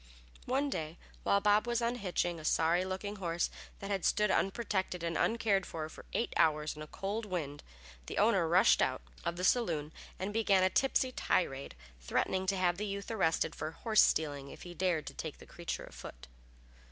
One day while Bob was unhitching a sorry looking horse that had stood unprotected and uncared for for eight hours in a cold wind, the owner rushed out of the saloon and began a tipsy tirade, threatening to have the youth arrested for horse stealing if he dared take the creature a foot.